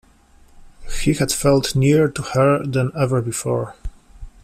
He had felt nearer to her than ever before.